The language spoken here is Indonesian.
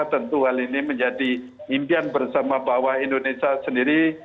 tentu hal ini menjadi impian bersama bahwa indonesia sendiri